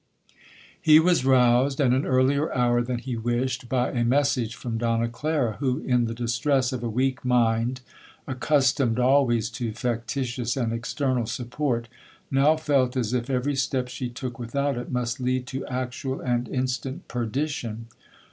'He was roused at an earlier hour than he wished, by a message from Donna Clara, who, in the distress of a weak mind, accustomed always to factitious and external support, now felt as if every step she took without it, must lead to actual and instant perdition.